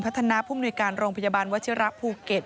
พัฒนาภูมิหน่วยการโรงพยาบาลวัชิระภูเก็ต